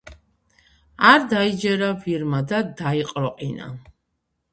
არ დაიჯერა ვირმა და დაიყროყინა.